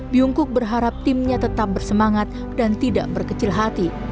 biungkuk berharap timnya tetap bersemangat dan tidak berkecil hati